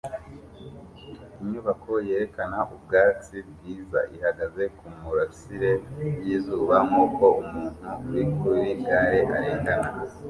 Inyubako yerekana ubwubatsi bwiza ihagaze kumurasire yizuba nkuko umuntu uri kuri gare arengana